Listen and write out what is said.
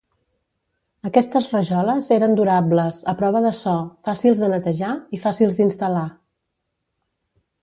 Aquestes rajoles eren durables, a prova de so, fàcils de netejar i fàcils d'instal·lar.